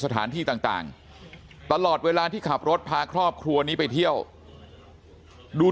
สถานที่ต่างตลอดเวลาที่ขับรถพาครอบครัวนี้ไปเที่ยวดู